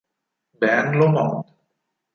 Ben Lomond